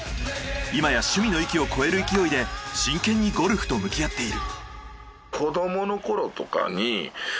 今や趣味の域を超える勢いで真剣にゴルフと向き合っている。